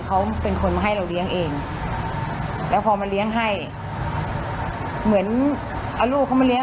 เขาเป็นคนมาให้เราเลี้ยงเองแล้วพอมาเลี้ยงให้เหมือนเอาลูกเขามาเลี้ย